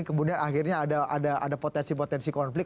kemudian akhirnya ada potensi potensi konflik